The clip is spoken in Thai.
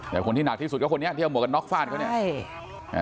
แต่คนที่หนักที่สุดก็คนนี้ที่เอาหวกกันน็อกฟาดเขาเนี่ยใช่